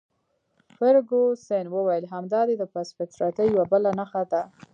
فرګوسن وویل: همدا دي د پست فطرتۍ یوه بله نښه ده.